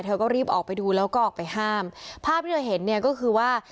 เธอก็รีบออกไปดูแล้วก็ออกไปห้ามภาพที่เธอเห็นเนี่ยก็คือว่า